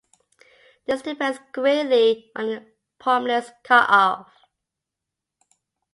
This depends greatly on the prominence cutoff.